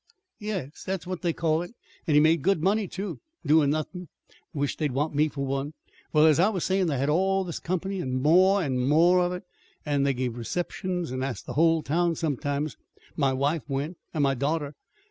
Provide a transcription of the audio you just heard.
"Yes; that's what they called it. And he made good money, too, doin' nothin'. Wish't they'd want me for one! Well, as I was sayin', they had all this comp'ny, an' more an' more of it; and they give receptions an' asked the hull town, sometimes. My wife went, and my darter.